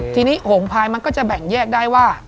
ทีนี้โหงพายมันก็จะแบ่งแยกได้ว่า